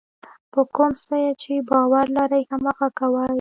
په کوم څه چې باور لرئ هماغه کوئ.